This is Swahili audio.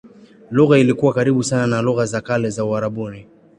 Lugha ilikuwa karibu sana na lugha za kale za Uarabuni.